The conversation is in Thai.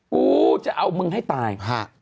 กูจะเอามึงให้ตาย